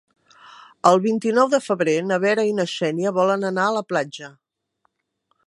El vint-i-nou de febrer na Vera i na Xènia volen anar a la platja.